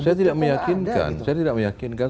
saya tidak meyakinkan